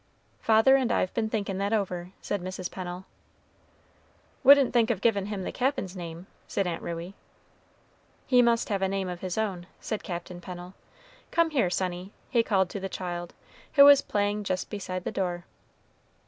"Father and I've been thinkin' that over," said Mrs. Pennel. "Wouldn't think of giv'n him the Cap'n's name?" said Aunt Ruey. "He must have a name of his own," said Captain Pennel. "Come here, sonny," he called to the child, who was playing just beside the door.